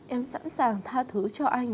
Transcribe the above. em sẵn sàng tha thứ cho anh